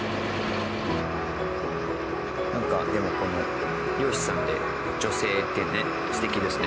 なんかでもこの漁師さんで女性ってね素敵ですね。